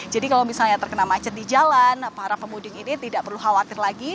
jadi kalau misalnya terkena macet di jalan para pemudik ini tidak perlu khawatir lagi